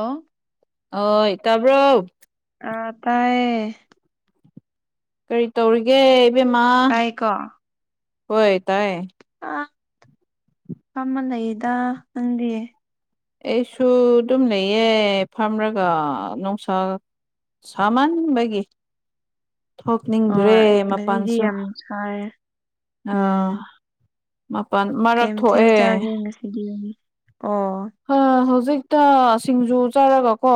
ꯑ ꯑꯣ ꯇꯔꯕ꯭ꯔꯣ ꯑ ꯇꯥꯏꯌꯦ ꯀꯔꯤ ꯇꯧꯔꯤꯒꯦ ꯏꯕꯦꯝꯃꯥ ꯇꯥꯏꯀꯣ ꯍꯣꯏ ꯇꯥꯏ ꯑ ꯀꯃ ꯂꯩꯗ ꯅꯪꯗꯤꯌꯦꯦ ꯑꯩꯁꯨ ꯑꯗꯨꯝ ꯂꯩꯌꯦ ꯐꯥꯝꯔꯒ ꯅꯨꯡꯁꯥ ꯁꯃꯥꯟꯕꯒꯤ ꯍꯣꯏ ꯉꯗꯤ ꯃꯄꯥꯟꯁꯨ ꯌꯥꯝ ꯁꯥꯏ ꯎꯝ ꯃꯥꯄꯥꯟ ꯀꯩ ꯃꯊꯦꯜ ꯆꯥꯒꯦ ꯉꯁꯤꯗꯤꯅꯤ ꯑꯣ ꯑ ꯍꯧꯖꯤꯛꯇ ꯁꯤꯡꯖꯨ ꯆꯥꯔꯒꯀꯣ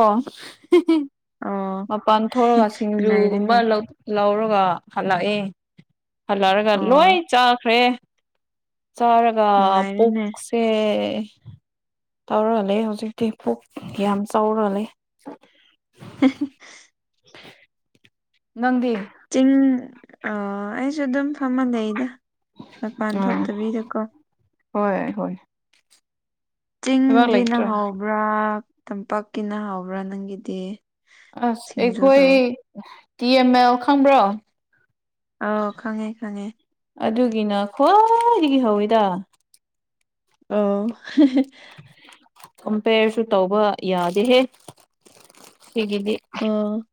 ꯑꯣ ꯃꯄꯜ ꯊꯣꯛꯑꯒ ꯅꯨꯡꯉꯥꯏꯔꯦꯅꯦ ꯁꯤꯡꯖꯨꯒꯨꯝꯕ ꯂꯧꯔꯒ ꯍꯜꯂꯛꯏꯦ ꯍꯜꯂꯛꯔꯒ ꯑꯣ ꯂꯣꯏ ꯆꯥꯈ꯭ꯔꯦ ꯆꯥꯔꯒ ꯅꯨꯡꯉꯥꯏꯔꯦꯅꯦ ꯄꯨꯛꯁꯦ ꯇꯧꯔꯛꯂ ꯍꯧꯖꯤꯛꯇꯤ ꯄꯨꯛ ꯌꯥꯝ ꯆꯥꯎꯔꯂꯩ ꯍ ꯅꯗꯤ ꯆꯤꯡ ꯑꯩꯁꯨ ꯑꯗꯨꯝ ꯐꯝꯃꯜꯂꯏꯗ ꯃꯄꯥꯟ ꯎꯝ ꯊꯣꯛꯇꯕꯤꯗꯀꯣ ꯍꯣꯏ ꯍꯣꯏ ꯊꯕꯛ ꯆꯤꯡꯒꯤꯅ ꯂꯩꯇ꯭ꯔꯣ ꯍꯥꯎꯕ꯭ꯔꯥ ꯇꯝꯄꯥꯛꯀꯤꯅ ꯍꯥꯎꯕ꯭ꯔꯥ ꯅꯪꯒꯤꯗꯤ ꯑꯁ ꯑꯩꯈꯣꯏ ꯁꯤꯡꯖꯨꯗꯣ ꯇꯤ ꯑꯦꯝ ꯑꯦꯜ ꯈꯪꯕ꯭ꯔꯣ ꯑ ꯈꯪꯉꯦ ꯈꯪꯉꯦ ꯑꯗꯨꯒꯤꯅ ꯈ꯭ꯋꯥꯏꯗꯒꯤ ꯍꯧꯋꯤꯗ ꯑꯣ ꯀꯝꯄꯦꯔꯁꯨ ꯇꯧꯕ ꯌꯥꯗꯦꯍꯦ ꯁꯤꯒꯤꯗꯤ ꯑꯣ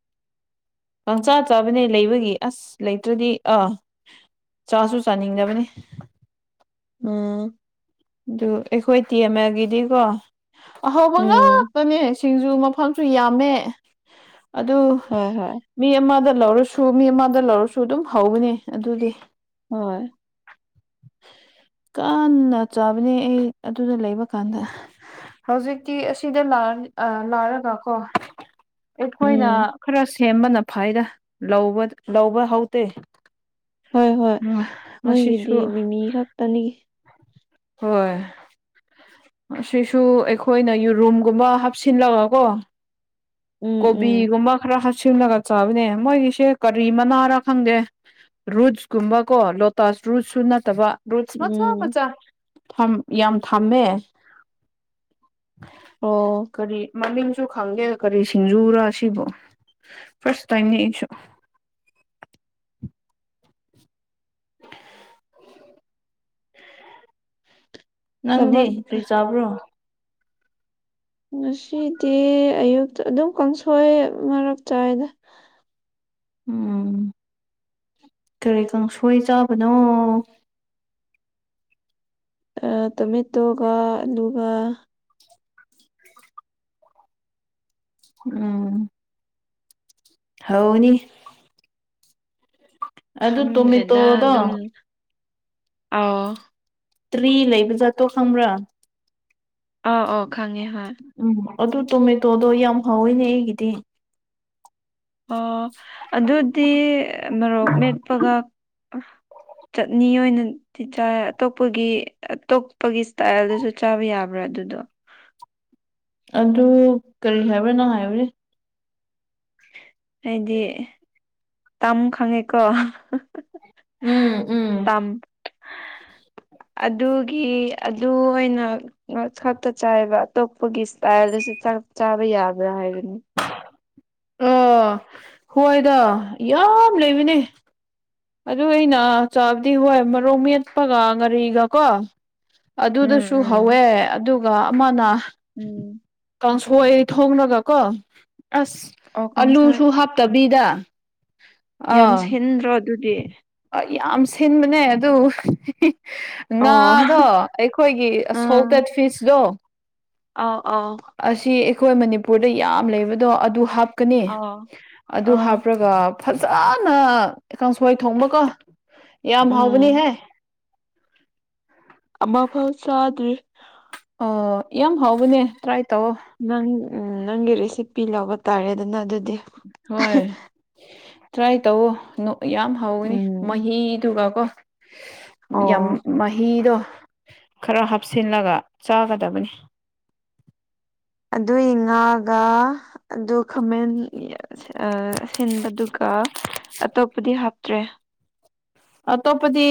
ꯄꯪꯆꯥ ꯆꯥꯕꯅꯦ ꯂꯩꯕꯒꯤ ꯑꯁ ꯂꯩꯇ꯭ꯔꯗꯤ ꯑꯥ ꯆꯥꯁꯨ ꯆꯥꯅꯤꯡꯗꯕꯅꯤ ꯎꯝ ꯑꯗꯨ ꯑꯩꯈꯣꯏ ꯇꯤ ꯑꯦꯝ ꯑꯦꯜꯒꯤꯗꯤꯀꯣ ꯑꯍꯥꯎꯕ ꯎꯝ ꯉꯥꯛꯇꯅꯦ ꯁꯤꯡꯖꯨ ꯃꯐꯝꯁꯨ ꯌꯥꯝꯃꯦ ꯑꯗꯨ ꯍꯣꯏ ꯍꯣꯏ ꯃꯤ ꯑꯃꯗ ꯂꯧꯔꯁꯨ ꯃꯤ ꯑꯃꯗ ꯂꯧꯔꯁꯨ ꯑꯗꯨꯝ ꯍꯥꯎꯕꯅꯦ ꯑꯗꯨꯗꯤ ꯍꯣꯏ ꯀꯥꯟꯅ ꯆꯥꯕꯅꯦ ꯑꯩ ꯑꯗꯨꯗ ꯂꯩꯕ ꯀꯥꯟꯗ ꯍꯧꯖꯤꯛꯇꯤ ꯑꯁꯤꯗ ꯂꯥꯛꯑꯅꯤ ꯂꯥꯛꯔꯒ ꯀꯣ ꯑꯩꯈꯣꯏꯅ ꯎꯝ ꯈꯔ ꯁꯦꯝꯕꯅ ꯐꯩꯗ ꯂꯧꯕ ꯂꯧꯕ ꯍꯥꯎꯇꯦ ꯍꯣꯏ ꯍꯣꯏ ꯃꯣꯏꯒꯤꯗꯤ ꯃꯤꯃꯤ ꯈꯛꯇꯅꯤ ꯍꯣꯏ ꯑꯁꯤꯁꯨ ꯑꯩꯈꯣꯏꯅ ꯌꯨꯔꯨꯝꯒꯨꯝꯕ ꯍꯥꯞꯁꯤꯜꯂꯒ ꯀꯣ ꯎꯝ ꯎꯝ ꯀꯣꯕꯤꯒꯨꯝꯕ ꯈꯔ ꯍꯥꯞꯁꯤꯜꯂꯒ ꯆꯥꯕꯅꯦ ꯃꯣꯏꯒꯤꯁꯦ ꯀꯔꯤ ꯃꯅꯥꯔ ꯈꯪꯗꯦ ꯔꯨꯠꯁ ꯀꯨꯝꯕ ꯀꯣ ꯂꯣꯇꯥꯁ ꯔꯨꯠꯁꯨ ꯅꯠꯇꯕ ꯔꯨꯠꯁ ꯃꯆꯥ ꯎꯝ ꯃꯆꯥ ꯊꯝ ꯌꯥꯝ ꯊꯝꯃꯦ ꯑꯣ ꯀꯔꯤ ꯃꯃꯤꯡꯁꯨ ꯈꯪꯗꯦ ꯀꯔꯤ ꯁꯤꯡꯖꯨꯔꯥ ꯁꯤꯕꯨ ꯐꯥꯔꯁ ꯇꯥꯏꯝꯅꯦ ꯑꯩꯁꯨ ꯅꯪꯗꯤ ꯊꯕꯛ ꯀ꯭ꯔꯤ ꯆꯥꯕ꯭ꯔꯣ ꯉꯁꯤꯗꯤ ꯑꯌꯨꯛꯇ ꯑꯗꯨꯝ ꯀꯥꯡꯁꯣꯏ ꯃꯔꯛ ꯆꯥꯏꯗ ꯎꯝ ꯀꯔꯤ ꯀꯥꯡꯁꯣꯏ ꯆꯥꯕꯅꯣ ꯑ ꯇꯣꯃꯦꯇꯣꯒ ꯑꯂꯨꯒ ꯎꯝ ꯍꯥꯎꯕꯅꯤ ꯑꯗꯨ ꯈꯪꯗ꯭ꯔꯦꯗ ꯇꯣꯃꯦꯇꯣꯗꯣ ꯑꯗꯨꯝ ꯑꯥꯎ ꯇ꯭ꯔꯤ ꯂꯩꯕꯖꯥꯠꯇꯣ ꯈꯪꯕ꯭ꯔꯥ ꯑꯥꯎ ꯑꯣ ꯈꯪꯉꯦ ꯍꯣꯏ ꯎꯝ ꯑꯗꯨ ꯇꯣꯃꯦꯇꯣꯗꯣ ꯌꯥꯝ ꯍꯥꯎꯋꯤꯅꯦ ꯑꯩꯒꯤꯗꯤ ꯑꯣ ꯑꯗꯨꯗꯤ ꯃꯔꯣꯛ ꯃꯦꯠꯄꯒ ꯑꯍ ꯆꯠꯅꯤ ꯑꯣꯏꯅ ꯇꯤ ꯆꯥꯏ ꯑꯇꯣꯞꯄꯒꯤ ꯑꯇꯣꯞꯄꯒꯤ ꯏꯁꯇꯥꯏꯜꯗꯁꯨ ꯆꯥꯕ ꯌꯥꯕ꯭ꯔꯥ ꯑꯗꯨꯗꯣ ꯑꯗꯨ ꯀꯔꯤ ꯍꯥꯏꯕ꯭ꯔꯥ ꯅꯪ ꯍꯥꯏꯕꯖꯤ ꯍꯥꯏꯗꯤ ꯇꯝ ꯈꯪꯉꯦꯀꯣ ꯍ ꯍ ꯍ ꯍꯍ ꯎꯝ ꯎꯝ ꯇꯝ ꯍ ꯑꯗꯨꯒꯤ ꯑꯗꯨ ꯑꯣꯏꯅ ꯅꯣꯠꯁ ꯈꯛꯇ ꯆꯥꯏꯕ ꯑꯇꯣꯛꯄꯒꯤ ꯏꯁꯇꯥꯏꯜꯗꯁꯨ ꯆꯞ ꯆꯥꯕ ꯌꯥꯕ꯭ꯔꯥ ꯍꯥꯏꯕꯅꯤ ꯑꯣ ꯍꯣꯏꯗꯣ ꯌꯥꯝ ꯂꯩꯕꯅꯦ ꯑꯗꯨ ꯑꯩꯅ ꯆꯥꯕꯗꯤ ꯍꯣꯏ ꯃꯔꯣꯛ ꯃꯦꯠꯄꯒ ꯉꯥꯔꯤꯒ ꯀꯣ ꯎꯝ ꯑꯗꯨꯗꯁꯨ ꯁꯨ ꯎꯝ ꯍꯥꯎꯋꯦ ꯑꯗꯨ ꯒ ꯑꯃꯥꯅ ꯎꯝ ꯀꯥꯡꯁꯣꯏ ꯊꯣꯡꯔꯒ ꯀꯣ ꯑꯁ ꯑꯣ ꯀꯥꯡꯁꯣꯏ ꯑꯂꯨꯁꯨ ꯍꯥꯞꯇꯕꯤꯗ ꯌꯥꯝ ꯁꯤꯟꯗ꯭ꯔꯣ ꯑꯗꯨꯗꯤ ꯑꯥ ꯌꯥꯝ ꯁꯤꯟꯕꯅꯦ ꯑꯗꯨ ꯍꯤ ꯍ ꯑꯣ ꯉꯥꯗꯣ ꯑꯩꯈꯣꯏꯒꯤ ꯑꯥ ꯑꯁꯣꯜꯇꯦꯠ ꯐꯤꯁꯇꯣ ꯑꯥꯎ ꯑꯥꯎ ꯑꯁꯤ ꯑꯩꯈꯣꯏ ꯃꯅꯤꯄꯨꯔꯗ ꯌꯥꯝ ꯂꯩꯕꯗꯣ ꯑꯗꯨ ꯍꯥꯞ ꯀꯅꯦ ꯑꯥꯎ ꯑꯗꯨ ꯑꯥ ꯍꯥꯞꯄꯔꯒ ꯐꯖꯅ ꯀꯥꯡꯁꯣꯏ ꯊꯣꯡꯕꯀꯣ ꯌꯥꯝ ꯍꯥꯎꯕꯅꯤ ꯎꯝ ꯍꯦ ꯑꯃ ꯐꯥꯎ ꯆꯥꯗ꯭ꯔꯤ ꯑꯣ ꯌꯥꯝ ꯍꯥꯎꯕꯅꯦ ꯇ꯭ꯔꯥꯏ ꯇꯧꯋꯣ ꯅꯪ ꯎ ꯅꯪꯒꯤ ꯔꯦꯁꯤꯄꯤ ꯂꯧꯕ ꯇꯥꯔꯦꯗꯨꯅ ꯑꯗꯨꯗꯤ ꯍꯣꯏ ꯇ꯭ꯔꯥꯏ ꯇꯧꯑꯣ ꯌꯥꯝ ꯍꯧꯒꯅꯤ ꯎꯝ ꯃꯍꯤꯗꯨꯒꯀꯣ ꯌꯥꯝ ꯑꯣ ꯃꯍꯤꯗꯣ ꯈꯔ ꯍꯥꯞꯆꯤꯜꯂꯒ ꯆꯥꯒꯗꯕꯅꯤ ꯑꯗꯨꯢ ꯉꯥꯛꯒ ꯑꯗꯨ ꯈꯥꯃꯦꯟ ꯁꯤꯟꯕꯗꯨꯒ ꯑꯇꯣꯞꯄꯗꯤ ꯍꯥꯞꯇ꯭ꯔꯦ ꯑꯇꯣꯞꯄꯗꯤ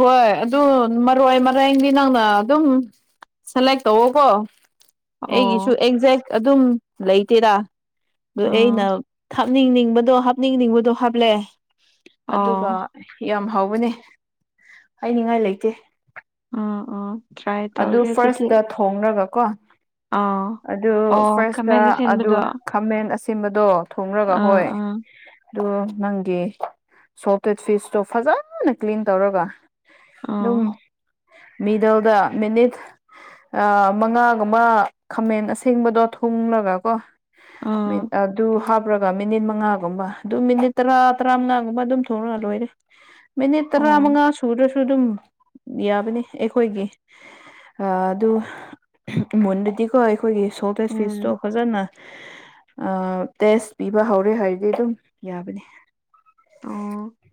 ꯍꯣꯏ ꯑꯗꯨ ꯃꯔꯣꯏ ꯃꯔꯦꯟꯗꯤ ꯅꯪꯅ ꯑꯗꯨꯝ ꯁꯦꯂꯦꯛ ꯇꯧꯑꯣꯒꯣ ꯑꯩꯒꯤꯁꯨ ꯑꯣ ꯑꯦꯛꯖꯦꯛ ꯑꯗꯨꯝ ꯂꯩꯇꯦꯗ ꯑꯗꯨ ꯑꯩꯅ ꯑꯥ ꯍꯥꯞꯅꯤꯡꯅꯤꯡꯕꯗꯣ ꯍꯥꯞꯅꯤꯡꯅꯤꯡꯕꯗꯣ ꯍꯥꯞꯂꯦ ꯑꯣ ꯑꯗꯨꯒ ꯌꯥꯝ ꯍꯥꯎꯕꯅꯦ ꯍꯥꯏꯅꯤꯡꯉꯥꯏ ꯂꯩꯇꯦ ꯑꯝ ꯑꯝ ꯑꯗꯨ ꯐꯥꯔꯁꯇ ꯊꯣꯡꯂꯒ ꯀꯣ ꯑꯥ ꯑꯗꯨ ꯑꯣ ꯐꯥꯔꯁꯇ ꯈꯥꯃꯦꯟ ꯑꯗꯨ ꯑꯁꯤꯟꯕꯗꯣ ꯑꯥ ꯈꯥꯃꯦꯟ ꯑꯁꯤꯕꯗꯣ ꯊꯣꯡꯉꯒ ꯍꯣꯏ ꯑꯥ ꯑꯗꯨ ꯅꯪꯒꯤ ꯁꯣꯐꯇꯦꯠ ꯐꯤꯁꯇꯣ ꯐꯖꯅ ꯀ꯭ꯂꯤꯟ ꯇꯧꯔꯒ ꯑꯥ ꯑꯗꯨꯝ ꯃꯤꯗꯜꯗ ꯃꯤꯅꯤꯠ ꯃꯉꯥꯒꯨꯝꯕ ꯈꯥꯃꯦꯟ ꯑꯁꯦꯡꯕꯗꯣ ꯊꯣꯡꯂꯒ ꯀꯣ ꯑꯥ ꯇꯨ ꯍꯥꯞ ꯍꯥꯔꯒ ꯃꯤꯅꯤꯠ ꯃꯉꯥꯒꯨꯝꯕ ꯑꯗꯨ ꯃꯤꯅꯤꯠ ꯇꯔꯥ ꯇꯔꯥ ꯃꯉꯥꯒꯨꯝꯕ ꯑꯗꯨꯝ ꯊꯣꯛꯂꯒ ꯂꯣꯏꯔꯦ ꯃꯤꯅꯤꯠ ꯇꯔꯥ ꯑꯣ ꯃꯉꯥ ꯁꯨꯗꯔꯁꯨ ꯑꯗꯨꯝ ꯌꯥꯕꯅꯤ ꯑꯩꯈꯣꯏꯒꯤ ꯑꯗꯨ ꯏꯃꯣꯟꯗꯗꯤꯀꯣ ꯑꯩꯈꯣꯏꯒꯤ ꯁꯣꯜꯇꯦꯁ ꯐꯤꯁꯇꯣ ꯎꯝ ꯐꯖꯅ ꯑ ꯇꯦꯁ ꯄꯤꯕ ꯍꯧꯔꯦ ꯍꯥꯏꯔꯗꯤ ꯑꯗꯨꯝ ꯌꯥꯕꯅꯤ ꯑꯣ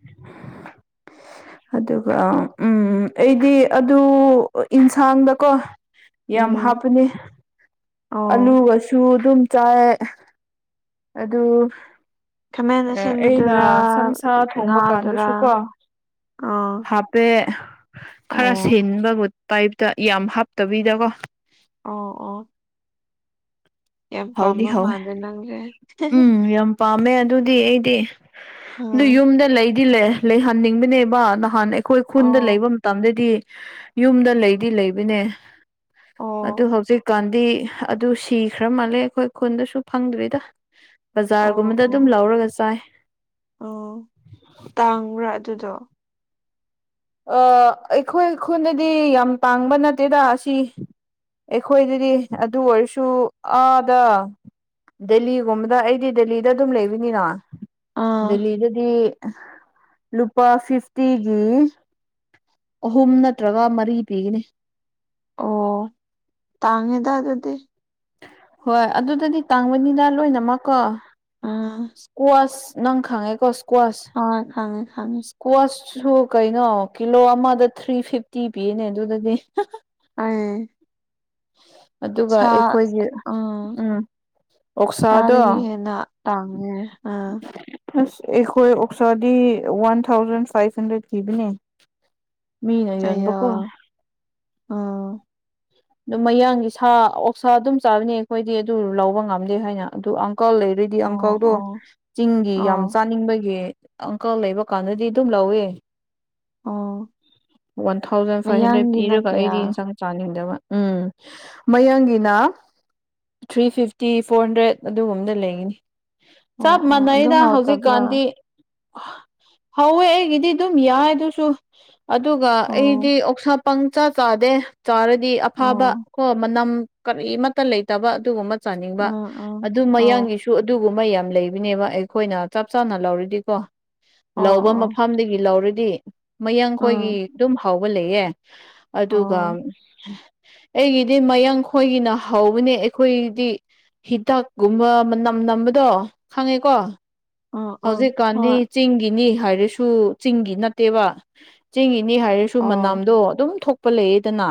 ꯑꯗꯨꯒ ꯎꯝ ꯑꯩꯗꯤ ꯑꯗꯨ ꯌꯦꯟꯁꯥꯡꯗꯀꯣ ꯌꯥꯝ ꯎꯝ ꯍꯥꯞꯄꯅꯤ ꯑꯣ ꯑꯂꯨꯒꯁꯨ ꯑꯗꯨꯝ ꯆꯥꯏ ꯑꯗꯨ ꯈꯥꯃꯦꯟ ꯑꯩꯅ ꯑꯁꯤꯟꯕꯗꯨꯔꯥ ꯁꯪꯁꯥ ꯊꯣꯡꯕ ꯉꯥꯗꯨꯔꯥ ꯀꯥꯟꯗꯁꯨꯀꯣ ꯑꯥ ꯍꯥꯞ ꯄꯦ ꯈꯔ ꯑꯣ ꯁꯤꯕ ꯇꯥꯏꯞꯇ ꯌꯥꯝ ꯍꯥꯞꯇꯕꯤꯗꯀꯣ ꯑꯣ ꯑꯣ [unintelligible] ꯌꯥꯝ ꯍꯥꯎꯗꯤ ꯄꯥꯝꯕ ꯍꯥꯎꯋꯦ ꯃꯥꯜꯂꯦ ꯅꯪꯁꯦ ꯎꯝ ꯌꯥꯝ ꯄꯥꯝꯃꯦ ꯑꯗꯨꯗꯤ ꯑꯩꯗꯤ ꯑꯗꯨ ꯑꯥ ꯌꯨꯝꯗ ꯂꯩꯗꯤ ꯂꯩ ꯂꯩꯍꯟꯅꯤꯡꯕꯅꯦꯕ ꯅꯍꯥꯟ ꯑꯩꯈꯣꯏ ꯈꯨꯟꯗ ꯑꯣ ꯂꯩꯕ ꯃꯇꯝꯗꯗꯤ ꯌꯨꯝꯗ ꯂꯩꯗꯤ ꯂꯩꯕꯅꯦ ꯑꯗꯨ ꯑꯣ ꯍꯧꯖꯤꯛꯀꯥꯟꯗꯤ ꯑꯗꯨ ꯁꯤꯈ꯭ꯔ ꯃꯥꯜꯂꯦ ꯑꯩꯈꯣꯏ ꯈꯨꯟꯗꯁꯨ ꯐꯪꯗ꯭ꯔꯦꯗ ꯑꯣ ꯕꯖꯥꯔꯒꯨꯝꯕꯗ ꯑꯗꯨꯝ ꯑꯣ ꯂꯧꯔꯒ ꯆꯥꯏ ꯑꯣ ꯇꯥꯡꯕ꯭ꯔꯥ ꯑꯗꯨꯗꯣ ꯑꯩꯈꯣꯏ ꯈꯨꯟꯗꯗꯤ ꯌꯥꯝ ꯇꯥꯡꯕ ꯅꯠꯇꯦꯗ ꯑꯁꯤ ꯑꯩꯈꯣꯏꯗꯗꯤ ꯑꯗꯨ ꯑꯣꯏꯔꯁꯨ ꯑꯥꯗ ꯗꯦꯜꯂꯤꯒꯨꯝꯕꯗ ꯑꯩꯗꯤ ꯗꯦꯜꯂꯤꯗ ꯑꯗꯨꯝ ꯂꯩꯕꯅꯤꯅ ꯑꯥ ꯗꯦꯜꯂꯤꯗꯗꯤ ꯂꯨꯄꯥ ꯐꯤꯐꯇꯤꯒꯤ ꯑꯍꯨꯝ ꯅꯠꯇ꯭ꯔꯒ ꯃꯔꯤ ꯄꯤꯒꯅꯤ ꯑꯣ ꯇꯥꯡꯉꯦꯗ ꯑꯗꯨꯗꯤ ꯍꯣꯏ ꯑꯗꯨꯗꯗꯤ ꯇꯥꯡꯕꯅꯤꯅ ꯂꯣꯏꯅꯃꯛꯀꯣ ꯎꯝ ꯏꯁꯀ꯭ꯋꯥꯁ ꯅꯪ ꯈꯪꯉꯦꯀꯣ ꯁ꯭ꯀ꯭ꯋꯥꯁ ꯑꯥ ꯈꯪꯉꯦ ꯈꯪꯉꯦ ꯏꯁꯀ꯭ꯋꯥꯆꯁꯨ ꯀꯩꯅꯣ ꯀꯤꯂꯣ ꯑꯃꯗ ꯊ꯭ꯔꯤ ꯐꯤꯐꯇꯤ ꯄꯤꯅꯦ ꯑꯗꯨꯗꯗꯤ ꯑꯩꯁ ꯑꯗꯨꯒ ꯑꯩꯈꯣꯏꯒꯤ ꯎꯝ ꯑꯣꯛꯁꯥꯗꯣ ꯁꯥꯗꯒꯤ ꯍꯦꯟꯅ ꯇꯥꯡꯉꯦ ꯑꯥ ꯑꯁ ꯑꯩꯈꯣꯏ ꯑꯣꯛꯁꯥꯗꯤ ꯋꯥꯟ ꯊꯥꯎꯖꯟ ꯐꯥꯏꯚ ꯍꯟꯗ꯭ꯔꯦꯠ ꯊꯤꯈꯤꯕꯅꯦ [inaudible] ꯃꯤꯅ ꯌꯣꯟꯕ ꯑꯌꯥ ꯀꯣ ꯑꯥ ꯑꯗꯨꯝ ꯃꯌꯥꯡꯒꯤ ꯁꯥ ꯑꯣꯛꯁꯥ ꯑꯗꯨꯝ ꯆꯥꯕꯅꯤ ꯑꯩꯈꯣꯏꯗꯤ ꯑꯗꯨ ꯂꯧꯕ ꯉꯝꯗꯦ ꯍꯥꯏꯅ ꯑꯗꯨ ꯑꯪꯀꯜ ꯂꯩꯔꯗꯤ ꯗꯤ ꯑꯣ ꯑꯪꯀꯜꯗꯣ ꯑꯣ ꯆꯤꯡꯒꯤ ꯌꯥꯝ ꯑꯥ ꯆꯥꯅꯤꯡꯕꯒꯤ ꯑꯪꯀꯜ ꯂꯩꯕ ꯀꯥꯟꯗꯗꯤ ꯑꯗꯨꯝ ꯂꯧꯋꯦ ꯑꯣ ꯋꯥꯟ ꯊꯥꯎꯖꯟ ꯐꯥꯏꯚ ꯍꯟꯗ꯭ꯔꯦꯗ ꯃꯌꯥꯡꯒꯤꯅ ꯄꯤꯔꯒ ꯀꯌꯥ ꯑꯩꯗꯤ ꯌꯦꯟꯁꯪ ꯆꯥꯅꯤꯡꯗꯕ ꯎꯝ ꯃꯌꯦꯡꯒꯤꯅ ꯊ꯭ꯔꯤ ꯐꯤꯐꯇꯤ ꯐꯣꯔ ꯍꯟꯗ꯭ꯔꯦꯠ ꯑꯗꯨꯒꯨꯝꯕꯗ ꯂꯩꯒꯅꯤ ꯑꯣ ꯆꯞ ꯑꯣ ꯑꯗꯨ ꯃꯥꯟꯅꯩꯗ ꯍꯥꯎꯇꯕ꯭ꯔꯥ ꯍꯧꯖꯤꯛꯀꯥꯟꯗꯤ ꯍꯧꯋꯦ ꯑꯩꯒꯤꯗꯤ ꯑꯗꯨꯝ ꯌꯥꯏ ꯑꯗꯨꯁꯨ ꯑꯗꯨꯒ ꯑꯣ ꯑꯩꯗꯤ ꯑꯣꯛꯁꯥ ꯄꯪꯆꯥꯥ ꯆꯥꯗꯦ ꯆꯥꯔꯗꯤ ꯑꯐꯕ ꯑꯣ ꯀꯣ ꯃꯅꯝ ꯀꯔꯤ ꯑꯃꯠꯇ ꯂꯩꯇꯕ ꯑꯗꯨꯒꯨꯝꯕ ꯆꯥꯅꯤꯡꯕ ꯑꯥ ꯑꯥ ꯑꯗꯨ ꯑꯣ ꯃꯌꯥꯡꯒꯤꯁꯨ ꯑꯗꯨꯒꯨꯝꯕ ꯌꯥꯝ ꯂꯩꯕꯅꯦꯕ ꯑꯩꯈꯣꯏꯅ ꯆꯞ ꯆꯥꯅ ꯂꯧꯔꯗꯤꯀꯣ ꯑꯣ ꯂꯧꯕ ꯑꯣ ꯃꯐꯝꯗꯒꯤ ꯂꯧꯔꯗꯤ ꯑꯥ ꯃꯌꯥꯡꯈꯣꯏꯒꯤ ꯑꯗꯨꯝ ꯍꯥꯎꯕ ꯂꯩꯌꯦ ꯑꯗꯨꯒ ꯑꯣ ꯑꯩꯒꯤꯗꯤ ꯃꯌꯥꯡ ꯈꯣꯏꯒꯤꯅ ꯍꯧꯕꯅꯦ ꯑꯩꯈꯣꯏꯗꯤ ꯍꯤꯗꯥꯛꯀꯨꯝꯕ ꯃꯅꯥ ꯆꯝ ꯅꯝꯕꯗꯣ ꯈꯪꯉꯦꯀꯣ ꯑꯥ ꯑꯥ ꯍꯧꯖꯤꯛꯀꯥꯟꯗꯤ ꯍꯣꯏ ꯆꯤꯡꯒꯤꯅꯤ ꯍꯥꯏꯔꯁꯨ ꯆꯤꯡꯒꯤ ꯅꯠꯇꯦꯕ ꯆꯤꯡ ꯏꯅꯤ ꯍꯥꯏꯔꯁꯨ ꯑꯣ ꯃꯅꯥꯝꯗꯣ ꯑꯗꯨꯝ ꯊꯣꯛꯄ ꯂꯩꯌꯦꯗꯅ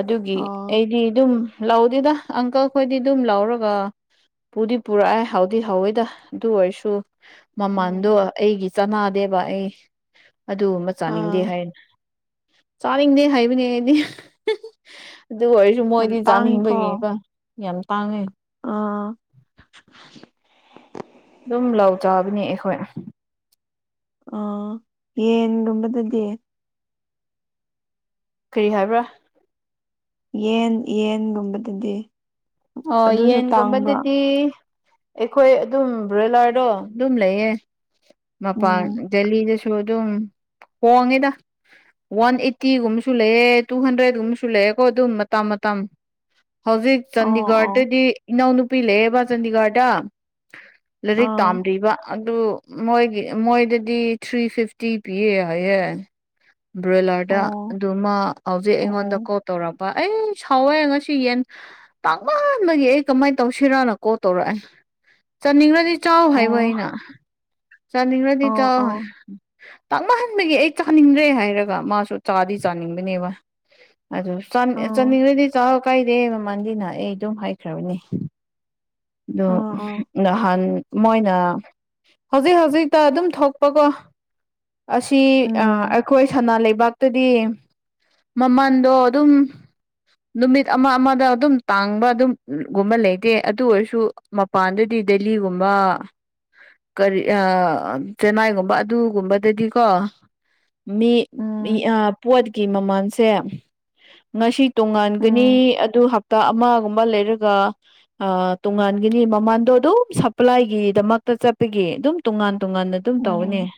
ꯑꯗꯨꯒꯤ ꯑꯣ ꯑꯩꯗꯤ ꯑꯗꯨꯝ ꯂꯧꯥꯎꯗꯦꯗ ꯑꯪꯀꯜ ꯈꯣꯏꯗꯤ ꯑꯗꯨꯝ ꯂꯧꯔꯒ ꯄꯨꯗꯤ ꯄꯨꯔꯛꯑꯦ ꯍꯥꯎꯗꯤ ꯍꯥꯎꯋꯦꯗ ꯑꯗꯨ ꯑꯣꯏꯔꯁꯨ ꯎꯝ ꯃꯃꯟꯗꯣ ꯑꯩꯒꯤ ꯆꯅꯥꯗꯦꯕ ꯑꯩ ꯑꯗꯨꯒꯨꯝꯕ ꯆꯥꯅꯤꯡꯗꯦ ꯑꯥ ꯍꯥꯏꯅ ꯆꯥꯅꯤꯡꯗꯦ ꯍꯥꯏꯕꯅꯦ ꯑꯩꯗꯤ ꯑꯗꯨꯒ ꯑꯣꯏꯔꯁꯨ ꯁ ꯌꯥꯝ ꯃꯣꯏꯗꯤ ꯇꯥꯡꯉꯤꯀꯣ ꯆꯥꯅꯤꯡꯕꯒꯤꯒ ꯌꯥꯝ ꯇꯥꯡꯉꯦ ꯑꯥ ꯑꯗꯨꯝ ꯂꯥꯎ ꯆꯥꯕꯅꯦ ꯑꯩꯈꯣꯏ ꯑ ꯌꯦꯟ ꯒꯨꯝꯕꯗꯗꯤ ꯀꯔꯤ ꯍꯥꯏꯕ꯭ꯔꯥ ꯌꯦꯟ ꯌꯦꯟꯒꯨꯝꯕꯗꯗꯤ ꯑꯣ ꯑꯗꯨꯁꯨ ꯇꯥꯡꯕ꯭ꯔꯥ ꯌꯦꯟꯒꯨꯝꯕꯗꯗꯤ ꯑꯩꯈꯣꯏ ꯑꯗꯨꯝ ꯕ꯭ꯔꯣꯏꯂꯔꯗꯣ ꯑꯗꯨꯝ ꯂꯩꯌꯦ ꯃꯄꯥꯟ ꯎꯝ ꯗꯦꯜꯂꯤꯗꯁꯨ ꯑꯗꯨꯝ ꯍꯣꯡꯉꯤꯗ ꯋꯥꯟ ꯑꯩꯠꯇꯤꯒꯨꯝꯕꯁꯨ ꯂꯩꯑꯦ ꯇꯨ ꯍꯟꯗ꯭ꯔꯦꯗꯒꯨꯝꯕꯁꯨ ꯂꯩꯑꯦꯀꯣ ꯑꯗꯨꯝ ꯃꯇꯝ ꯃꯇꯝ ꯍꯧꯖꯤꯛ ꯑꯣ ꯑꯣ ꯆꯥꯟꯗꯤꯒꯔꯗꯗꯤ ꯏꯅꯥꯎꯅꯨꯄꯤ ꯂꯩꯌꯦꯕ ꯆꯥꯟꯗꯤꯒꯔꯗ ꯂꯥꯏꯔꯤꯛ ꯑꯥ ꯇꯥꯝꯔꯤꯕ ꯑꯗꯨ ꯃꯣꯏꯒꯤ ꯃꯣꯏꯗꯗꯤ ꯊ꯭ꯔꯤ ꯐꯤꯐꯇꯤ ꯄꯤꯌꯦ ꯍꯥꯏꯌꯦ ꯕ꯭ꯔꯣꯏꯂꯔꯗ ꯑꯣ ꯑꯗꯨꯃ ꯍꯧꯖꯤꯛ ꯑꯩꯉꯣꯟꯗ ꯑꯣ ꯀꯣꯜ ꯇꯧꯔꯝꯕ ꯑꯩ ꯁꯥꯎꯋꯦ ꯉꯁꯤ ꯌꯦꯟ ꯇꯥꯡꯉꯥꯟꯗꯒꯤ ꯑꯩ ꯀꯃꯥꯏꯅ ꯇꯧꯁꯤꯔꯥꯅ ꯀꯣ ꯇꯧꯔꯛꯑꯦ ꯆꯥꯅꯤꯡꯉ꯭ꯔꯗꯤ ꯆꯥꯎ ꯍꯥꯏꯕ ꯑꯣ ꯑꯩꯅ ꯆꯥꯅꯤꯡꯉ꯭ꯔꯗꯤ ꯑꯣ ꯆꯥꯎ ꯑꯣ ꯍꯥꯏ ꯇꯛꯅꯍꯟꯕꯒꯤ ꯑꯩ ꯆꯥꯅꯤꯡꯗ꯭ꯔꯦ ꯍꯥꯏꯔꯒ ꯃꯥꯁꯨ ꯆꯥꯗꯤ ꯆꯥꯅꯤꯡꯕꯅꯦꯕ ꯑꯗꯨ ꯑꯣ ꯆꯥꯅꯤꯡꯈꯗꯤ ꯆꯥꯛ ꯀꯥꯏꯗꯦ ꯃꯃꯜꯗꯤꯅ ꯑꯩ ꯑꯗꯨꯝ ꯍꯥꯏꯈ꯭ꯔꯕꯅꯤ ꯑ ꯑꯣ ꯑꯣ ꯅꯍꯥꯟ ꯃꯣꯏꯅ ꯍꯧꯖꯤꯛ ꯍꯧꯖꯤꯛꯇ ꯑꯗꯨꯝ ꯊꯣꯛꯄꯀꯣ ꯑꯁꯤ ꯎꯝ ꯑꯩꯈꯣꯏ ꯁꯅꯥ ꯂꯩꯕꯥꯛꯇꯗꯤ ꯃꯃꯟꯗꯣ ꯑꯗꯨꯝ ꯅꯨꯃꯤꯠ ꯑꯃ ꯑꯃꯗ ꯑꯗꯨꯝ ꯇꯥꯡꯕ ꯑꯗꯨꯝꯒꯨꯝꯕ ꯂꯩꯇꯦ ꯑꯗꯨ ꯑꯣꯏꯔꯁꯨ ꯁꯨ ꯃꯄꯥꯟꯗꯗꯤ ꯗꯦꯜꯂꯤꯒꯨꯝꯕ ꯀꯔꯤ ꯆꯦꯟꯅꯥꯏꯒꯨꯝꯕ ꯑꯗꯨꯒꯨꯝꯕꯗꯗꯤꯀꯣ ꯃꯤ ꯎꯝ ꯄꯣꯠꯀꯤ ꯃꯃꯜꯁꯦ ꯉꯁꯤ ꯇꯣꯉꯥꯟꯒꯅꯤ ꯎꯝ ꯑꯗꯨ ꯍꯞꯇꯥ ꯑꯃꯒꯨꯝꯕ ꯂꯩꯔꯒ ꯇꯣꯉꯥꯟꯒꯤꯅꯤ ꯃꯃꯥꯟꯗꯣ ꯑꯗꯨꯝ ꯁꯄ꯭ꯂꯥꯏꯒꯤꯗꯃꯛꯇ ꯆꯠꯄꯒꯤ ꯑꯗꯨꯝ ꯇꯣꯉꯥꯟ ꯇꯣꯉꯥꯟꯅ ꯑꯗꯨꯝ ꯇꯧꯅꯦ ꯎꯝ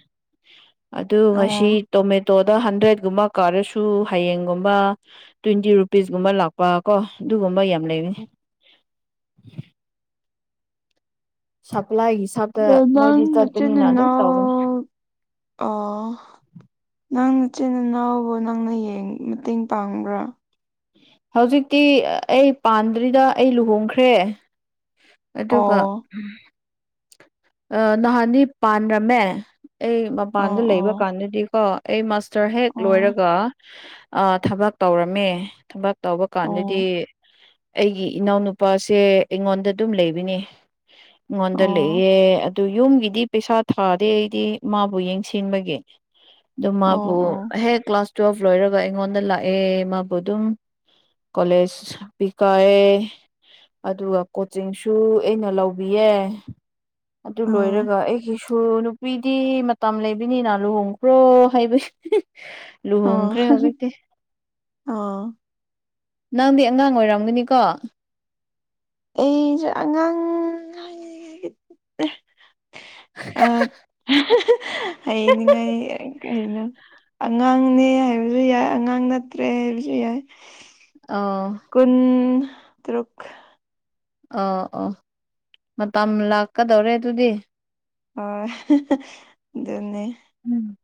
ꯑꯗꯨ ꯉꯁꯤ ꯑꯣ ꯇꯣꯃꯦꯇꯣꯗ ꯍꯟꯗ꯭ꯔꯦꯠꯒꯨꯝꯕ ꯀꯥꯔꯁꯨ ꯍꯌꯦꯡꯒꯨꯝꯕ ꯇ꯭ꯋꯦꯟꯇꯤ ꯔꯨꯄꯤꯁꯀꯨꯝꯕ ꯂꯥꯛꯄ ꯀꯣ ꯑꯗꯨꯒꯨꯝꯕ ꯌꯥꯝ ꯂꯩꯕꯅꯤ ꯁꯄ꯭ꯂꯥꯏꯒꯤ ꯁꯥꯞꯇ ꯑꯗꯣ ꯅꯪ ꯃꯣꯏꯗꯤ ꯆꯠꯄꯅꯤꯅ ꯑꯗꯨꯝ ꯇꯧꯅꯤ ꯑ ꯅꯪ ꯏꯆꯤꯟ ꯏꯅꯥꯎꯕ ꯅꯪꯅ ꯃꯇꯦꯡ ꯄꯥꯡꯕ꯭ꯔꯥ ꯍꯧꯖꯤꯛꯇꯤ ꯑꯩ ꯄꯥꯟꯗ꯭ꯔꯤꯗ ꯑꯩ ꯂꯨꯍꯣꯡꯈ꯭ꯔꯦ ꯑꯗꯨꯒ ꯑꯣ ꯅꯍꯥꯟꯗꯤ ꯄꯥꯟꯔꯝꯃꯦ ꯑꯩ ꯑꯣ ꯃꯄꯥꯟꯗ ꯂꯩꯕ ꯑꯣ ꯀꯥꯟꯗꯗꯤꯀꯣ ꯑꯩꯁ ꯁꯔ ꯍꯦꯛ ꯑꯣ ꯂꯣꯏꯔꯒ ꯊꯕꯛ ꯇꯧꯔꯝꯃꯦ ꯊꯕꯛ ꯇꯧꯕ ꯑꯣ ꯀꯥꯟꯗꯗꯤ ꯑꯩꯒꯤ ꯏꯅꯥꯎꯅꯨꯄꯥꯁꯦ ꯑꯩꯉꯣꯟꯗ ꯑꯗꯨꯝ ꯂꯩꯕꯅꯤ ꯏꯣꯗ ꯑꯣ ꯂꯩ ꯑꯗꯨ ꯌꯨꯝꯒꯤꯗꯤ ꯄꯩꯁꯥ ꯊꯥꯗꯦ ꯑꯩꯗꯤ ꯃꯥꯕꯨ ꯌꯦꯡꯁꯤꯟꯕꯒꯤ ꯑꯗꯨ ꯑꯣ ꯃꯥꯕꯨ ꯑꯣ ꯍꯦꯛ ꯀ꯭ꯂꯥꯁ ꯇꯨꯋꯦꯜꯐ ꯂꯣꯏꯔꯒ ꯑꯩꯉꯣꯟꯗ ꯂꯥꯛꯑꯦ ꯃꯥꯕꯨ ꯑꯗꯨꯝ ꯀꯣꯂꯦꯖ ꯄꯤ ꯀꯑ ꯑꯗꯨꯒ ꯀꯣꯆꯤꯡꯁꯨ ꯑꯩꯅ ꯂꯧꯕꯤꯌꯦ ꯑꯗꯨ ꯎꯝ ꯂꯣꯏꯔꯒ ꯑꯩꯒꯤ ꯅꯨꯄꯤꯗꯤ ꯃꯇꯝ ꯂꯩꯕꯅꯤꯅ ꯂꯨꯍꯣꯡꯈ꯭ꯔꯣ ꯍꯥꯏꯕ ꯑꯣ ꯂꯨꯍꯣꯡꯈ꯭ꯔꯦ ꯍꯧꯖꯤꯛꯇꯤ ꯑꯣ ꯅꯪꯗꯤ ꯑꯉꯥꯡ ꯑꯣꯏꯔꯝꯒꯅꯤꯀꯣ ꯑꯩ ꯑꯉꯥꯡ ꯑ ꯍꯅꯤꯡꯉꯥꯏ ꯀꯩꯅ ꯑꯉꯥꯡꯅꯦ ꯍꯥꯏꯕꯁꯨ ꯌꯥꯏ ꯑꯉꯥꯡ ꯅꯠꯇ꯭ꯔꯦ ꯍꯥꯏꯕꯁꯨ ꯌꯥꯏ ꯑꯥ ꯀꯨꯟ ꯇꯔꯨꯛ ꯑ ꯑꯣꯥ ꯃꯇꯝ ꯂꯥꯛꯀꯗꯧꯔꯦ ꯑꯗꯨꯗꯤ ꯍ ꯑꯗꯨ ꯑꯗꯨꯅꯤ ꯎꯝ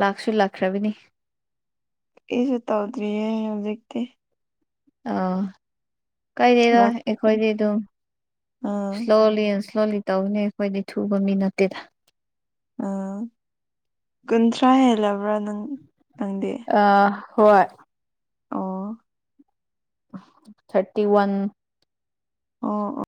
ꯂꯥꯛꯁꯨ ꯂꯥꯛꯈ꯭ꯔꯕꯅꯤ ꯏꯁꯨ ꯇꯧꯗ꯭ꯔꯤꯌꯦ ꯍꯧꯖꯤꯛꯇꯤ ꯑ ꯀꯩꯗꯔ ꯊꯕꯛ ꯑꯩꯈꯣꯏꯗꯤ ꯑꯗꯨꯝ ꯑꯥ ꯏꯁ꯭ꯂꯣꯜꯂꯤ ꯏꯁꯣ ꯇꯧꯅꯤ ꯑꯩꯈꯣꯏꯗꯤ ꯊꯨꯕ ꯃꯤ ꯅꯠꯇꯦꯗ ꯎ ꯀꯨꯟꯊ꯭ꯔꯥ ꯍꯦꯜꯂꯕ꯭ꯔꯥ ꯅꯪ ꯅꯪꯗꯤ ꯑ ꯍꯣꯏ ꯑꯣ ꯊꯔꯇꯤ ꯋꯥꯟ ꯑꯣ ꯑꯣ